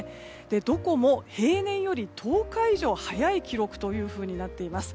どこも平年より１０日以上早い記録となっています。